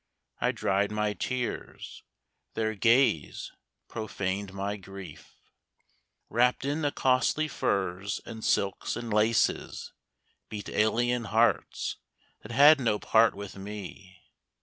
I dried my tears: their gaze profaned my grief. Wrapt in the costly furs, and silks and laces Beat alien hearts, that had no part with me.